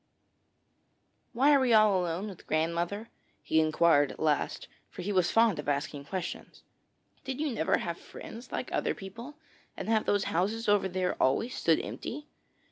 'Why are we all alone with grandmother?' he inquired at last, for he was fond of asking questions. 'Did you never have friends like other people, and have those houses over there always stood empty?'